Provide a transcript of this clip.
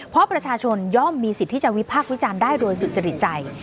เพราะประชาชนย่อมมีสิทธิ์ที่จะวิพากษ์วิจารณ์ได้โดยสุจริตใจ